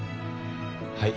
はい。